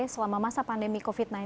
selama masa pandemi covid sembilan belas